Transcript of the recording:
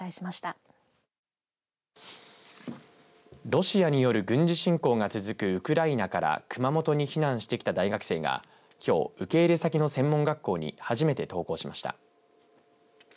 ロシアによる軍事侵攻が続くウクライナから熊本に避難してきた大学生がきょう受け入れ先の専門学校に初めて登校しました。